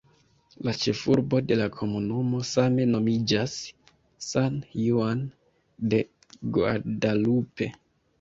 La ĉefurbo de la komunumo same nomiĝas "San Juan de Guadalupe".